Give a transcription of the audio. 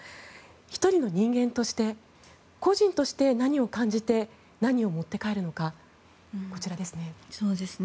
１人の人間として個人として何を感じて何を持って帰るのかこちらですね。